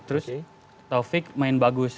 terus taufik main bagus